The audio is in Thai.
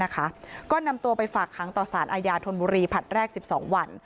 ก็นำตัวไปฝากค้างต่อสารอาญาธนบุรีผลัดแรก๑๒วัน